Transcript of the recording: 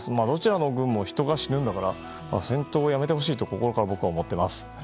どちらの軍も人が死ぬから戦闘をやめてほしいと心から僕は思っています。